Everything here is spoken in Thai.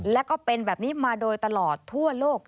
และก็เป็นแบบนี้มาโดยตลอดทั่วโลก